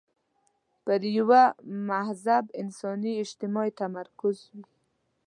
پر یوه مهذب انساني اجتماع یې تمرکز وي.